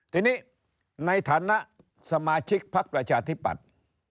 ทีนี้ในฐานะสมาชิกพักประชาธิปัตย์